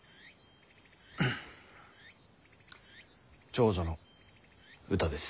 長女のうたです。